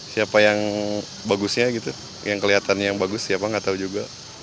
siapa yang bagusnya gitu yang kelihatannya yang bagus siapa nggak tahu juga